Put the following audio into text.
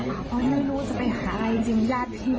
เพราะไม่รู้จะไปหาอะไรจริงญาติพี่